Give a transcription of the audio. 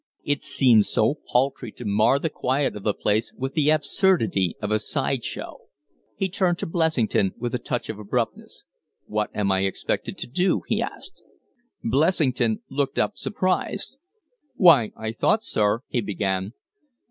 It seemed so paltry to mar the quiet of the place with the absurdity of a side show. He turned to Blessington with a touch of abruptness. "What am I expected to do?" he asked. Blessington looked up, surprised. "Why, I thought, sir " he began.